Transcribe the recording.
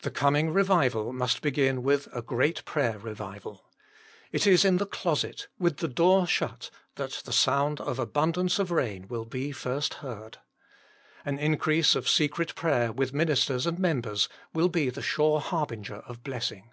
The coming revival must begin with a great prayer revival It is in the closet, with the door shut, that the sound of abundance of rain will be first heard. An increase of secret prayer with ministers and members, will be the sure harbinger of blessing.